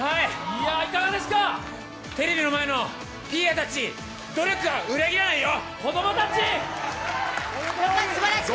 テレビの前のピーヤたち、努力は裏切らないよ！！